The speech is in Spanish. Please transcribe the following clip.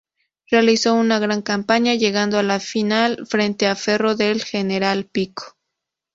Realizó una gran campaña, llegando a la final frente a Ferro de General Pico.